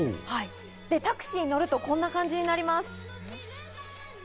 タクシーに乗ると、こんな感じになります。